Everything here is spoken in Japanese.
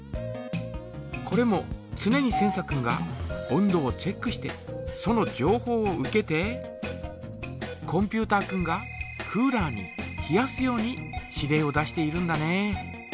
これもつねにセンサ君が温度をチェックしてそのじょうほうを受けてコンピュータ君がクーラーに冷やすように指令を出しているんだね。